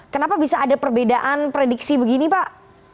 kenapa bisa ada perbedaan prediksi begini pak